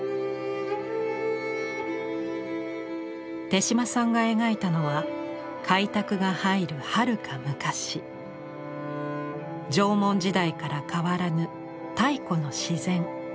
手島さんが描いたのは開拓が入るはるか昔「縄文時代」から変わらぬ太古の自然。